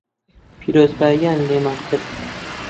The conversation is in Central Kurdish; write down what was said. پیرۆزبایییان لێمان کرد